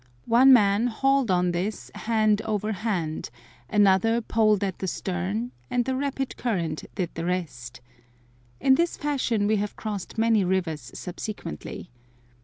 One man hauled on this hand over hand, another poled at the stern, and the rapid current did the rest. In this fashion we have crossed many rivers subsequently.